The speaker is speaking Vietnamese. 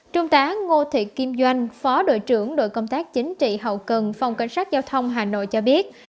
trung tá ngô thị kim doanh phó đội trưởng đội công tác chính trị hậu cần phòng cảnh sát giao thông hà nội cho biết